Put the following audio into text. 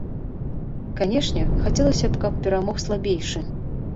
Канечне, хацелася б, каб перамог слабейшы.